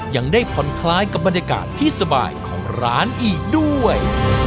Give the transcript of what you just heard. ยังได้ผ่อนคล้ายกับบรรยากาศที่สบายของร้านอีกด้วย